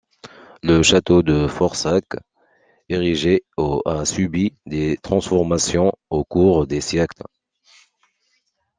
Le château de Forsac érigé au a subi des transformations au cours des siècles.